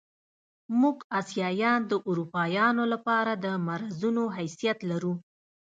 موږ اسیایان د اروپایانو له پاره د مرضونو حیثیت لرو.